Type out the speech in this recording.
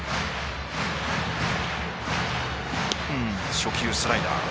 初球スライダー。